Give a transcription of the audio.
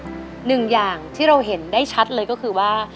หนึ่งอย่างที่เราเห็นได้ชัดเลยก็คือว่า